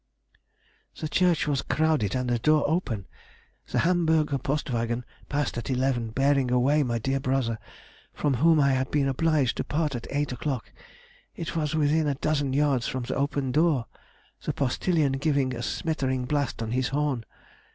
_] "The church was crowded and the door open: the Hamburger Postwagen passed at eleven, bearing away my dear brother, from whom I had been obliged to part at 8 o'clock. It was within a dozen yards from the open door; the postilion giving a smettering blast on his horn.